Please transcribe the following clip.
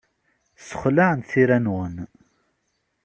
Ssexlaɛent tira-nwen.